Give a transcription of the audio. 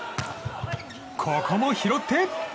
ここも拾って。